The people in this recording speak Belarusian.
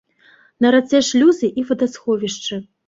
На рацэ шлюзы і вадасховішчы.